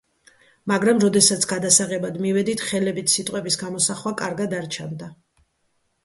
მაგრამ როდესაც გადასაღებად მივედით, ხელებით სიტყვების გამოსახვა კარგად არ ჩანდა.